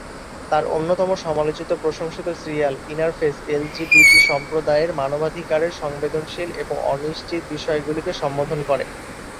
তার অন্যতম সমালোচিত প্রশংসিত সিরিয়াল "ইনার ফেস" এলজিবিটি সম্প্রদায়ের মানবাধিকারের সংবেদনশীল এবং অনিশ্চিত বিষয়গুলিকে সম্বোধন করে।